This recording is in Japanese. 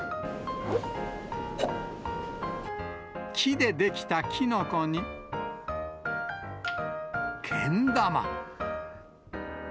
木で出来たキノコに、けん玉。